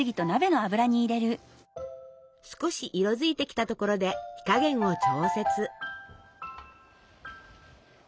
少し色づいてきたところで火加減を調節。